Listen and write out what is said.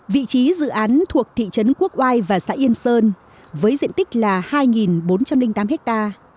vị trí dự án thuộc thị trấn quốc oai và xã yên sơn với diện tích là hai bốn trăm linh tám ha